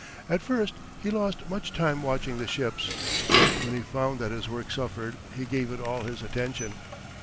At first he lost much time watching the ships, but when he found that his work suffered, he gave it all his attention.